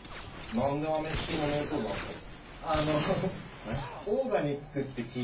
何でアメスピのメンソールなんですか？